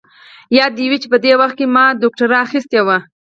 ياده دې وي چې په دې وخت کې ما دوکتورا اخيستې وه.